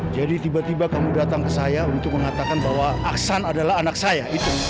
jadi tiba tiba kamu datang ke saya untuk mengatakan bahwa aksan adalah anak saya